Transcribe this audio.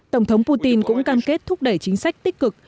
tổng thống putin cũng cam kết thúc đẩy chính sách tích cực